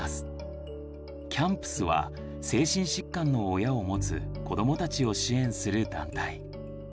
「ＣＡＭＰｓ」は精神疾患の親をもつ子どもたちを支援する団体。